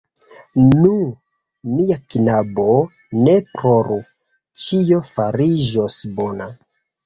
Nu, mia knabo, ne ploru; ĉio fariĝos bona.